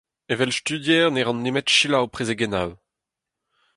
Evel studier ne ran nemet selaou prezegennoù.